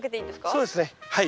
そうですねはい。